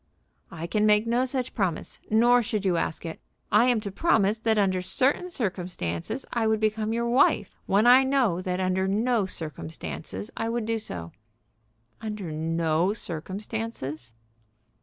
"I can make no such promise, nor should you ask it. I am to promise that under certain circumstances I would become your wife, when I know that under no circumstances I would do so." "Under no circumstances?"